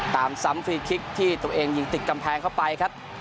ตามซ้ำฟรีคลิกที่ตัวเองยิงติดกำแพงเข้าไปครับ